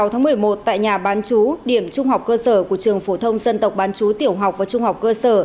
hai mươi tháng một mươi một tại nhà bán chú điểm trung học cơ sở của trường phổ thông dân tộc bán chú tiểu học và trung học cơ sở